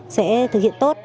sẽ thực hiện tốt